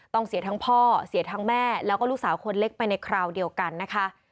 ต้องเสียทั้งพ่อเสียทั้งแม่แล้วก็ลูกสาวคนเล็กไปในคราวเดียวกันนะคะ